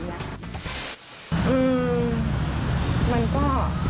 อืมมันก็